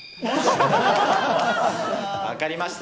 分かりました。